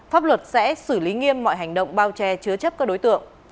pháp luật sẽ xử lý nghiêm mọi hành động bao che chứa chấp các đối tượng